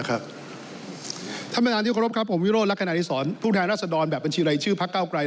เอ้าท่านประดานที่ขอรับครับผมวิโรธและขณาวิทยสรฯผู้แทนราชดรแบบบัญชีไลชื่อภักด์ก้าวกรายนิท์